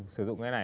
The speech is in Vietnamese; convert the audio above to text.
sử dụng cái này